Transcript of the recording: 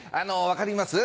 分かります？